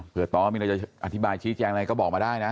เพื่อต้อมีอะไรจะอธิบายชี้แจงอะไรก็บอกมาได้นะ